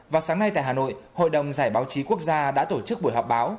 vào sáng nay tại hà nội hội đồng giải báo chí quốc gia đã tổ chức buổi họp báo